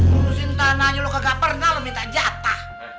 burusin tanahnya lo kegak pernah lo minta jatah